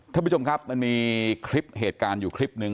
ท่านผู้ชมครับมันมีคลิปเหตุการณ์อยู่คลิปหนึ่ง